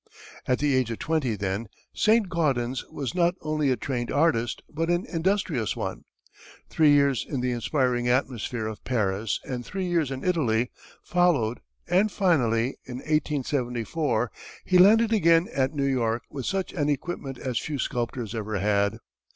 At the age of twenty, then, Saint Gaudens was not only a trained artist, but an industrious one. Three years in the inspiring atmosphere of Paris, and three years in Italy, followed; and finally, in 1874, he landed again at New York with such an equipment as few sculptors ever had.